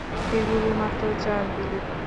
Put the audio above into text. এগুলো, মাত্র চার দিনে।